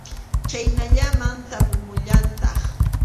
Chhaynallaman tapumullantaq.